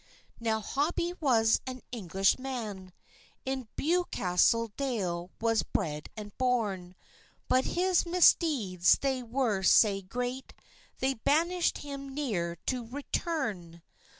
Now, Hobie was an English man, In Bewcastle dale was bred and born; But his misdeeds they were sae great, They banished him neer to return.